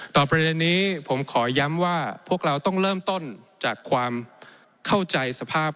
ประเด็นนี้ผมขอย้ำว่าพวกเราต้องเริ่มต้นจากความเข้าใจสภาพ